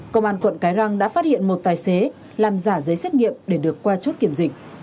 công an quận cái răng đã phát hiện một tài xế làm giả giấy xét nghiệm để được qua chốt kiểm dịch